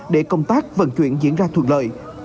để công tác vận chuyển diễn ra thuận lợi